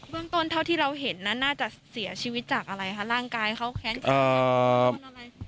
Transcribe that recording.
เบื้องต้นเท่าที่เราเห็นน่าจะเสียชีวิตจากอะไรครับร่างกายเขาแข็งจากอะไร